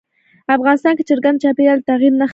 افغانستان کې چرګان د چاپېریال د تغیر نښه ده.